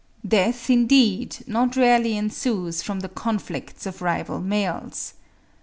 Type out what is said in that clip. Death, indeed, not rarely ensues from the conflicts of rival males.